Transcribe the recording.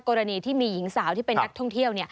กรณีที่มีหญิงสาวที่เป็นนักท่องเที่ยว